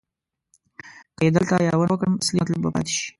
که یې دلته یادونه وکړم اصلي مطلب به پاتې شي.